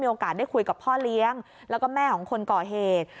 โอกาสได้คุยกับพ่อเลี้ยงแล้วก็แม่ของคนก่อเหตุ